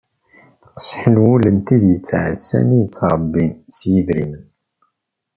Teqsaḥ n wul n tid i yettɛassan i yettrebbin s yedrimen.